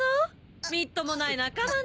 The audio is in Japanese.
みっともない仲間ね。